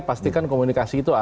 pastikan komunikasi itu ada